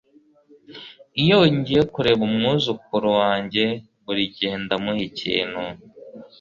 Iyo ngiye kureba umwuzukuru wanjye, burigihe ndamuha ikintu.